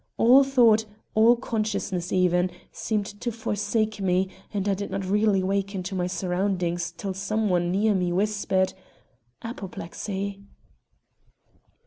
All thought, all consciousness even, seemed to forsake me, and I did not really waken to my surroundings till some one near me whispered: "Apoplexy!"